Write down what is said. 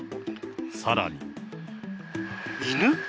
さらに。